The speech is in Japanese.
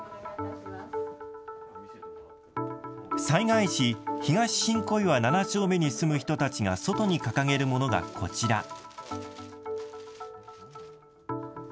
災害時、東新小岩７丁目に住む人たちが外に掲げるものがこちら。